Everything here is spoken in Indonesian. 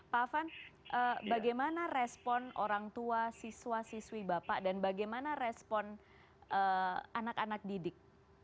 pak afan bagaimana respon orang tua siswa siswi bapak dan bagaimana respon anak anak didik